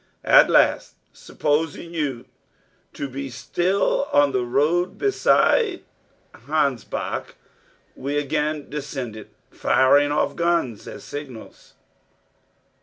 At last, supposing you to be still on the road beside the Hansbach, we again descended, firing off guns as signals.